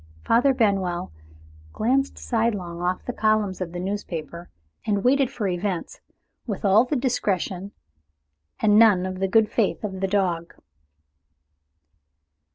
Father Benwell glanced sidelong off the columns of the newspaper, and waited for events with all the discretion, and none of the good faith, of the dog.